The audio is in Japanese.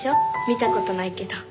見た事ないけど。